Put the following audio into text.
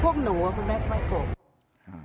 พวกหนูคุณแม่ไม่โกรธ